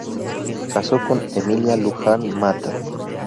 Casó con Emilia Luján Mata.